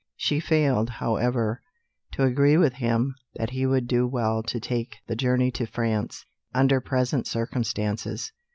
She failed, however, to agree with him that he would do well to take the journey to France, under present circumstances.